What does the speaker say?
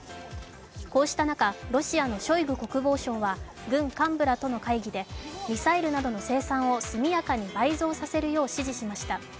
こうした中、ロシアのショイグ国防相は軍幹部らとの会議でミサイルなどの生産を速やかに倍増させるよう指示しました。